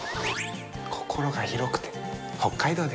心が広くて北海道ですね。